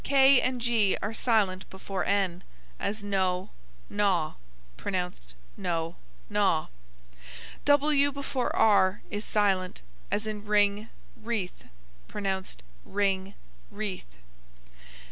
K and G are silent before n; as know, gnaw; pronounced no, naw. W before r is silent; as in wring, wreath; pronounced ring, reath.